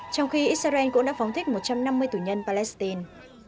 trong khi israel cũng đã phóng thích một trăm năm mươi tù nhân palestine